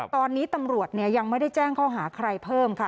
ตอนนี้ตำรวจยังไม่ได้แจ้งข้อหาใครเพิ่มค่ะ